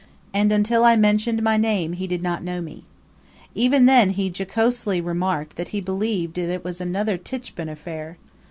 and until I mentioned my name he did not know me. Even then he jocosely remarked that he believed that it was another Tichborne affair.